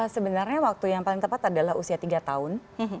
sebenarnya waktu yang paling tepat adalah usia tiga tahun